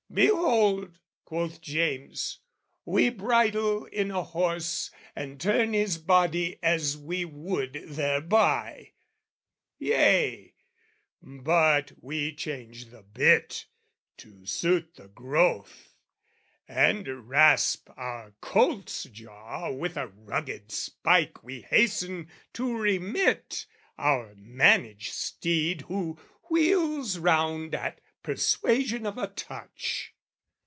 "Behold," quoth James, "we bridle in a horse "And turn his body as we would thereby!" Yea, but we change the bit to suit the growth, And rasp our colt's jaw with a rugged spike We hasten to remit our managed steed Who wheels round at persuasion of a touch.